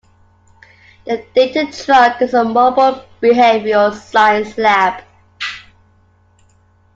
The Data Truck is a mobile behavioral science lab.